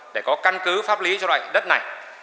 để có căn cứ pháp lý cho đất này